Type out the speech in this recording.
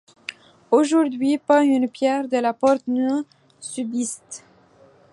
Aujourd'hui, pas une pierre de la porte ne subsiste.